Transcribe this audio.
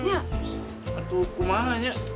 atuh kumahan ya